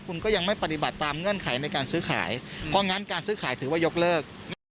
คุณก็ยังไม่ปฏิบัติตามเงื่อนไขในการซื้อขายเพราะงั้นการซื้อขายถือว่ายกเลิก